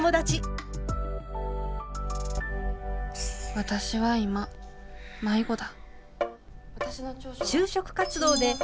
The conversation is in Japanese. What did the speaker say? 私は今迷子だ。